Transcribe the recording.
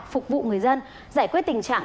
phục vụ người dân giải quyết tình trạng